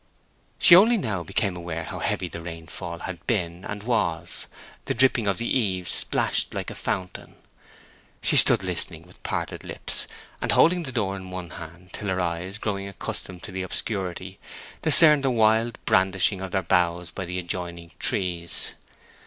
She only now became aware how heavy the rainfall had been and was; the dripping of the eaves splashed like a fountain. She stood listening with parted lips, and holding the door in one hand, till her eyes, growing accustomed to the obscurity, discerned the wild brandishing of their boughs by the adjoining trees.